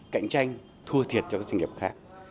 cạnh tranh thua thiệt cho cái doanh nghiệp khác